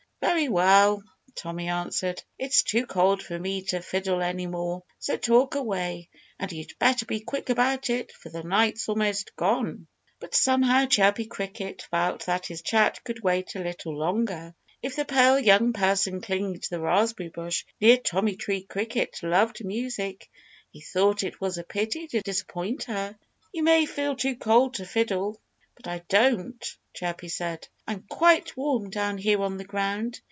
"Very well!" Tommy answered. "It's too cold for me to fiddle any more. So talk away! And you'd better be quick about it, for the night's almost gone." But somehow Chirpy Cricket felt that his chat could wait a little longer. If the pale young person clinging to the raspberry bush near Tommy Tree Cricket loved music, he thought it was a pity to disappoint her. "You may feel too cold to fiddle; but I don't!" Chirpy said. "I'm quite warm down here on the ground.